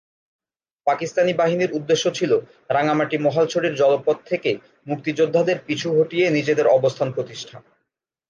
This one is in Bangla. পাকিস্তানি বাহিনীর উদ্দেশ্য ছিলো রাঙামাটি-মহালছড়ির জলপথ থেকে মুক্তিযোদ্ধাদের পিছু হটিয়ে নিজেদের অবস্থান প্রতিষ্ঠা।